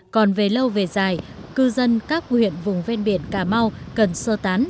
còn về lâu về dài cư dân các huyện vùng ven biển cà mau cần sơ tán